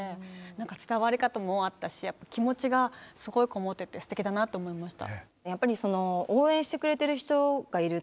伝わり方もあったし気持ちが、すごいこもっててすてきだなと思いました。